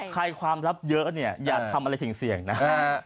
ใครความลับเยอะอย่าทำอะไรเสี่ยงนะ